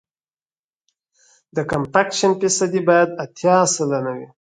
د کمپکشن فیصدي باید اتیا سلنه وي